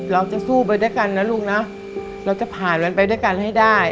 เราจะสู้ไปด้วยกันนะลูกนะเราจะผ่านมันไปด้วยกันให้ได้